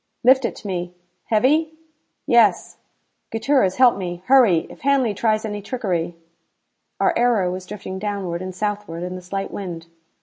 "Lift it to me. Heavy?" "Yes." "Gutierrez, help me. Hurry! If Hanley tries any trickery " Our aero was drifting downward and southward in the slight wind.